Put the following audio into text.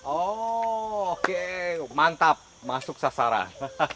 oh oke mantap masuk sasaran